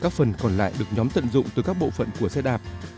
các phần còn lại được nhóm tận dụng từ các bộ phận của xe đạp